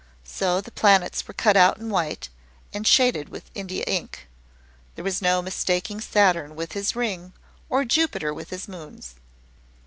So the planets were cut out in white, and shaded with Indian ink. There was no mistaking Saturn with his ring, or Jupiter with his moons.